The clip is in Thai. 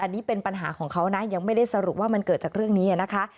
อันนี้เป็นปัญหาของเขานะยังไม่ได้สรุปว่ามันเกิดจากเรื่องนี้นะคะ